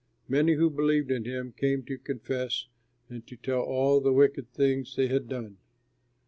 Many who believed in him came to confess and to tell all the wicked things they had done.